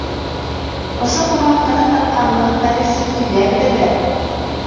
Ошо ҡомартҡыны тапҡанлығын хәҙер сит илдә беләләр!